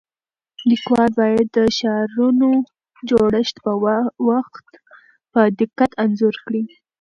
لیکوال باید د ښارونو جوړښت په دقت انځور کړي.